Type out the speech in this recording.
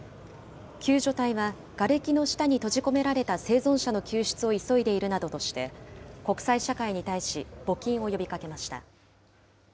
救助隊はがれきの下に閉じ込められた生存者の救出を急いでいるなどとして、国際社会に対し、募金を呼びかけました。